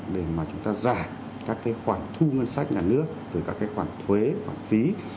để mà chúng ta giảm các cái khoản thu ngân sách nhà nước từ các cái khoản thuế khoản phí